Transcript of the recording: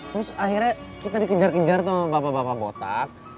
terus akhirnya kita dikejar kejar sama bapak bapak botak